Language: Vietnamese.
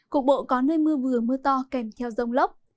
cục bộ có nơi mưa vừa mưa to kèm theo rông lốc